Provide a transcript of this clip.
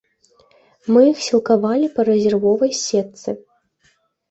Мы іх сілкавалі па рэзервовай сетцы.